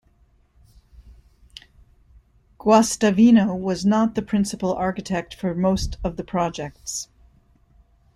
Guastavino was not the principal architect for most of the projects.